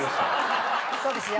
そうですよ